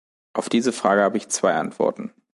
Auf diese Frage habe ich zwei Antworten.